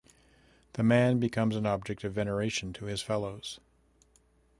The man becomes an object of veneration to his fellows.